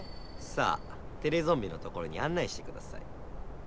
さあテレゾンビのところにあん内してください。